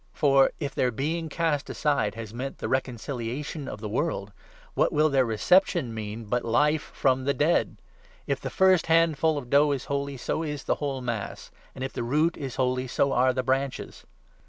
For, if their being cast aside has meant the reconcilia 15 tion of the world, what will their reception mean, but Life from the dead ? If the first handful of dough is holy, so is the 16 whole mass ; and if the root is holy, so are the branches.